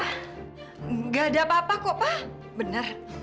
tidak ada apa apa kok pa